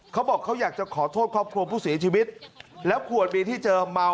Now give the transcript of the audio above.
เขาบอกเขาอยากจะขอโทษครอบครัวผู้เสียชีวิตแล้วขวดเบียร์ที่เจอเมา